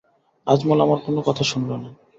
আজমল আমার কোনো কথা শুনল না।